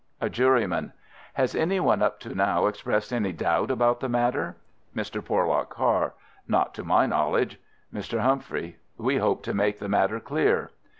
A Juryman: Has any one up to now expressed any doubt about the matter? Mr. Porlock Carr: Not to my knowledge. Mr. Humphrey: We hope to make the matter clear.